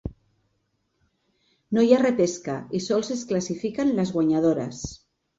No hi ha repesca i sols es classifiquen les guanyadores.